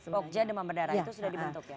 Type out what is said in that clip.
pogja demam berdarah itu sudah dibentuk ya